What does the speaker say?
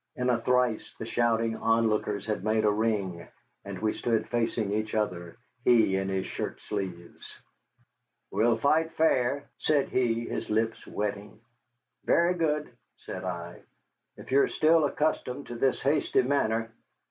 In a trice the shouting onlookers had made a ring, and we stood facing each other, he in his shirt sleeves. "We'll fight fair," said he, his lips wetting. "Very good," said I, "if you are still accustomed to this hasty manner.